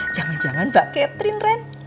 jangan jangan mbak catherine red